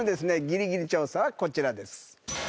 ギリギリ調査はこちらです。